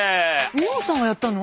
美穂さんがやったの？